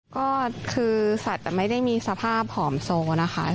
ก็คือสัตว์ไม่ได้มีสภาพผอมโซนะคะ